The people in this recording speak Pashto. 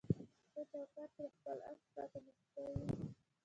ته چوکاټ کي د خپل عکس راته مسکی وي